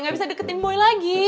gak bisa deketin mui lagi